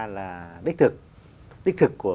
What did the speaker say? là đích thực đích thực của